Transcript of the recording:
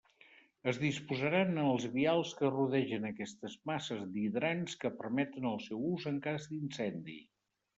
Es disposaran en els vials que rodegen aquestes masses d'hidrants que permeten el seu ús en cas d'incendi.